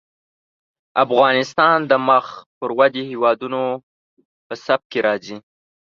افغانستان د مخ پر ودې هېوادونو په لړ کې راځي.